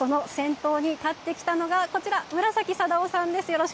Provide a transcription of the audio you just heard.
その先頭に立ってきたのがこちら村崎定男さんです。